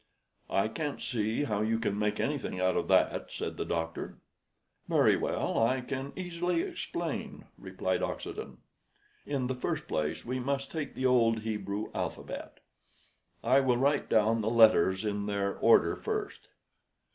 "I can't see how you can make anything out of that," said the doctor. "Very well, I can easily explain," replied Oxenden. "In the first place we must take the old Hebrew alphabet. I will write down the letters in their order first."